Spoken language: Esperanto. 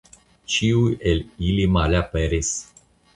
Ĉiuj el ili malaperis.